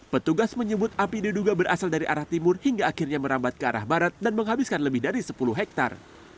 petugas menyebut api diduga berasal dari arah timur hingga akhirnya merambat ke arah barat dan menghabiskan lebih dari sepuluh hektare